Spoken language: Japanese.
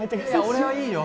俺はいいよ